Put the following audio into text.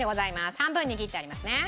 半分に切ってありますね。